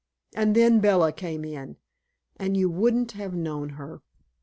And then Bella came in, and you wouldn't have known her.